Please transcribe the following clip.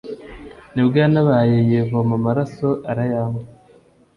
nibwo yantabaye yivoma amaraso arayampa.!!"